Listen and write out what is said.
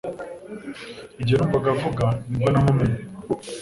Igihe numvaga avuga ni bwo namumenye